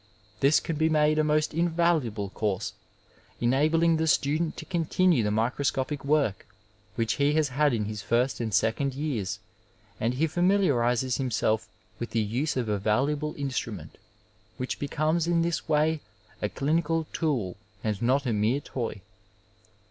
This can be made a most invaluafak ^ 887 z Digitized by VjOOQIC THE HOSPITAL AS A COLLEGE couise, enabling the student to continue the microscopic work which he has had in his fiist and second years, and he familiarizes himself with the use of a valuable instrument, which becomes in this way a clinical tool and not a mere toy.